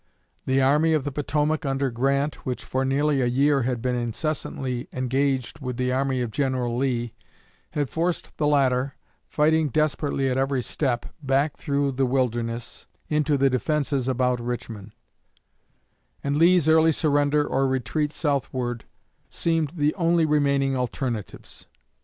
The Army of the Potomac under Grant, which for nearly a year had been incessantly engaged with the army of General Lee, had forced the latter, fighting desperately at every step, back through the Wilderness, into the defenses about Richmond; and Lee's early surrender or retreat southward seemed the only remaining alternatives.